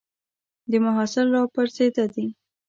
د محصل را پرځېده دي